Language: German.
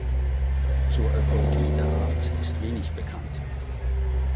Zur Ökologie der Art ist wenig bekannt.